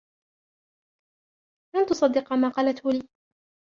لن تصدّق ما قالته لي!